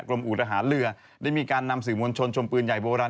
กลมอุตหารเรือได้มีการนำสืบวนชนชมปืนใหญ่โบราณ